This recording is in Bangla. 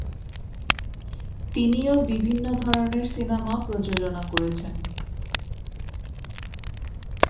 তিনিও বিভিন্ন ধরনের সিনেমা প্রযোজনা করেছেন।